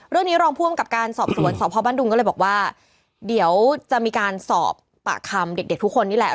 รองผู้อำกับการสอบสวนสพบ้านดุงก็เลยบอกว่าเดี๋ยวจะมีการสอบปากคำเด็กทุกคนนี่แหละ